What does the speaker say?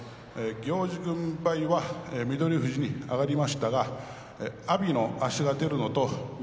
行司軍配は翠富士に上がりましたが阿炎の足が出るのと翠